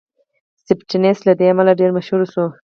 سټېفنس له دې امله ډېر مشهور شوی و.